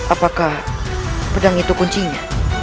apakah pedang itu kuncinya